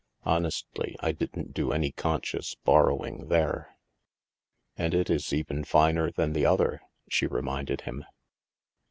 Honestly, I didn't do any conscious bor rowing there." " And it is even finer than the other," she re minded him.